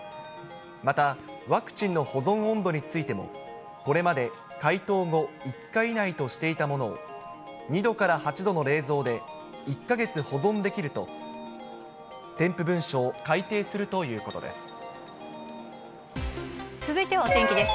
また、ワクチンの保存温度についても、これまで解凍後５日以内としていたものを、２度から８度の冷蔵で、１か月保存できると、添付文書を改訂するということです。